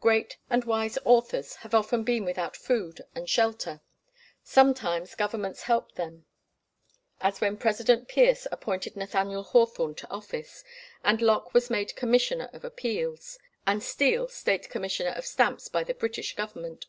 Great and wise authors have often been without food and shelter. Sometimes governments helped them, as when President Pierce appointed Nathaniel Hawthorne to office, and Locke was made Commissioner of Appeals, and Steele State Commissioner of Stamps by the British Government.